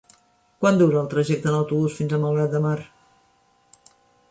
Quant dura el trajecte en autobús fins a Malgrat de Mar?